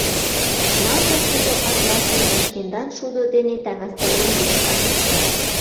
Налза тудо атласым да шкендан шудо дене таҥастарен лекса.